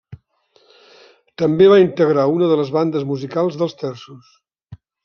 També va integrar una de les bandes musicals dels terços.